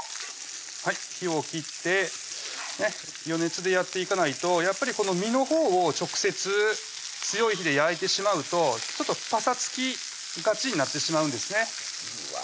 はい火を切って余熱でやっていかないとやっぱりこの身のほうを直接強い火で焼いてしまうとちょっとぱさつきがちになってしまうんですね